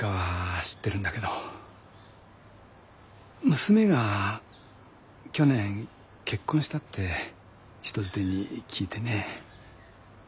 娘が去年結婚したって人づてに聞いてね。